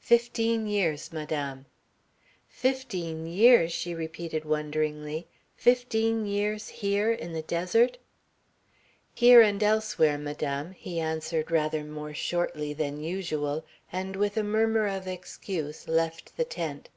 "Fifteen years, Madame." "Fifteen years," she repeated wonderingly. "Fifteen years here, in the desert?" "Here and elsewhere, Madame," he answered rather more shortly than usual, and with a murmur of excuse left the tent.